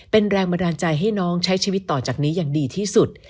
เป็นแรงบันดาลใจให้น้องใช้ชีวิตต่อจากนี้อย่างดีที่สุด